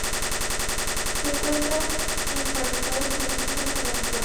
Se encuentran emparentados con los indígenas rama de Nicaragua.